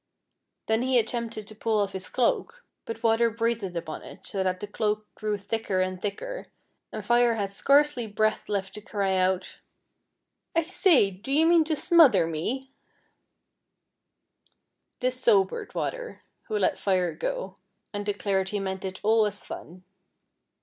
Then he attempted to pull off his cloak, but Water breathed upon it so that the cloak grew thicker and thicker, and Fire had scarcely breath left to cry out :" I say, do you mean to smother me "i " This sobered Water, who let Fire go, and declared he meant it all as fun.